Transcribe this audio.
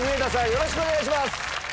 よろしくお願いします！